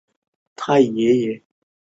反应连接了两个羰基底物化合物。